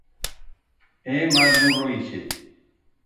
É mal burro ixe.